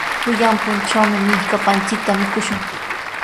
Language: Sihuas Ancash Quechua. Pullan puntrawmi millkapanchikta mikushun.